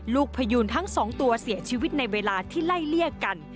พยูนทั้งสองตัวเสียชีวิตในเวลาที่ไล่เลี่ยกัน